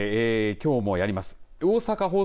きょうもやります。